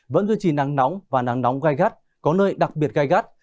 vẫn duy trì nắng nóng và nắng nóng gai gắt có nơi đặc biệt gai gắt